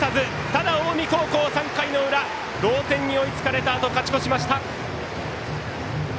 ただ、近江高校、３回の裏同点に追いつかれたあと勝ち越しました。